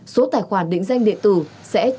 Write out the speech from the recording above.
số tài khoản định danh địa tử sẽ trung tâm